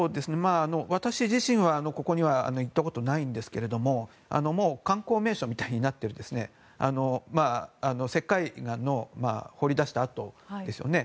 私自身はここには行ったことがないんですけれどももう観光名所みたいになっていて石灰岩の掘り出した跡がありますね。